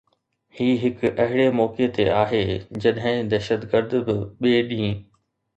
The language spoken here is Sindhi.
هي هڪ اهڙي موقعي تي آهي جڏهن دهشتگرد به ٻئي ڏينهن